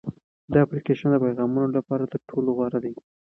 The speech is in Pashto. دا اپلیکیشن د پیغامونو لپاره تر ټولو غوره دی.